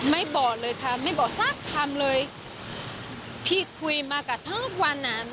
บอกเลยค่ะไม่บอกสักคำเลยพี่คุยมากับทุกวันอ่ะ